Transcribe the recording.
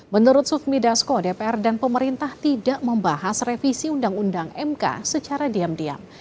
menurut sufmi dasko dpr dan pemerintah tidak membahas revisi undang undang mk secara diam diam